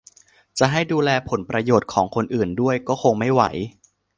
จะให้ดูแลผลประโยชน์ของคนอื่นด้วยก็คงไม่ไหว